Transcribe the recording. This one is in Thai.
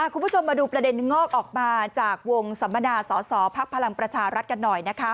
คุณผู้ชมมาดูประเด็นงอกออกมาจากวงสัมมนาสอสอภักดิ์พลังประชารัฐกันหน่อยนะคะ